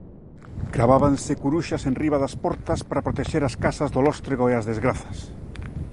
Cravábanse curuxas enriba das portas para protexer as casas do lóstrego e as desgrazas.